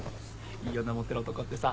いいよなモテる男ってさ。